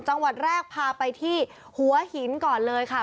จังหวัดแรกพาไปที่หัวหินก่อนเลยค่ะ